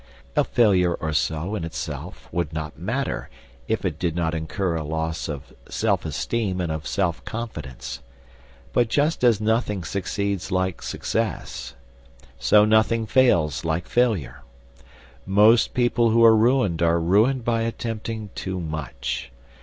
A failure or so, in itself, would not matter, if it did not incur a loss of self esteem and of self confidence. But just as nothing succeeds like success, so nothing fails like failure. Most people who are ruined are ruined by attempting too much.